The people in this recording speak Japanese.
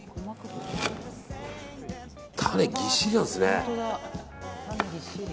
種ぎっしりなんですね。